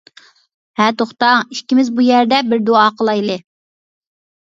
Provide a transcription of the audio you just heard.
ھە. توختاڭ، ئىككىمىز بۇ يەردە بىر دۇئا قىلايلى.